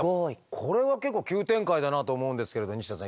これは結構急展開だなと思うんですけれど西田さん